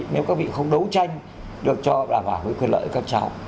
nếu các vị không đấu tranh được cho bảo vệ quyền lợi cho các cháu